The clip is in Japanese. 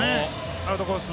アウトコース